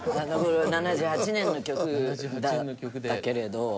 ７８年の曲だったけれど。